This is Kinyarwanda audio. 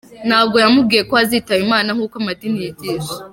Ntabwo yamubwiye ko azitaba imana nkuko amadini yigisha.